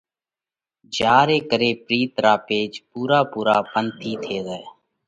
جيا ري ڪري پرِيت را پيچ پُورا پُورا پنَٿِي ٿي زائه۔